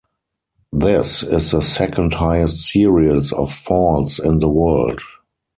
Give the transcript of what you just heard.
This is the second-highest series of falls in the world.